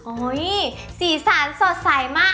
โอ้ยสีสันสดใสมาก